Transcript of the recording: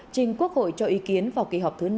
trình quốc hội cho ý kiến vào kỳ họp thứ năm